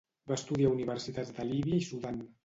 Va estudiar a universitats de Líbia i Sudan.